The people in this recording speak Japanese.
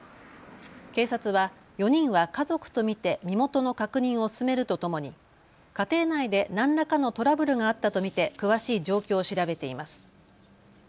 警察は４人は家族と見て身元の確認を進めるとともに家庭内で何らかのトラブルがあったと見て詳しい状況を調べています。